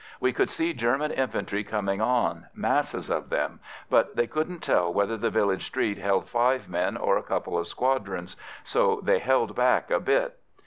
We could see German infantry coming on, masses of them, but they couldn't tell whether the village street held five men or a couple of squadrons, so they held back a bit.